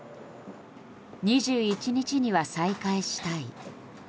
２１日には再開したい。